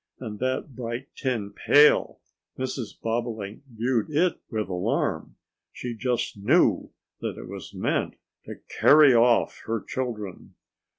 And that bright tin pail! Mrs. Bobolink viewed it with alarm. She just knew that it was meant to carry off her children!